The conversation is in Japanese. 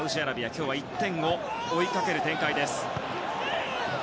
今日は１点を追いかける展開です。